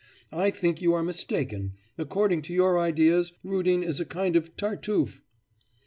I think you are mistaken. According to your ideas, Rudin is a kind of Tartuffe.